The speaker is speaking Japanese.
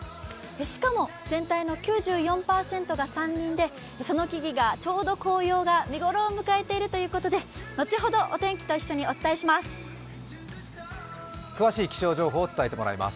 しかも全体の９４％が山林で、その木々がちょうど紅葉が見頃を迎えているということで後ほどお天気と一緒にお伝えします。